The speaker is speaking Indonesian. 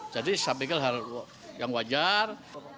jadi saya pikir hal yang wajar